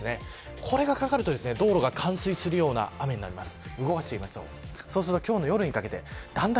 これがかかると道路が冠水するような雨になります。